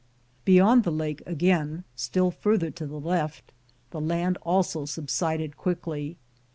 Beyond the lake again, still farther to the left, the land also subsided quickly.